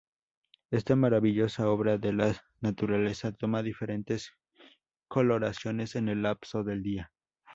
Esta maravillosa obra de la naturaleza toma diferentes coloraciones en el lapso del día.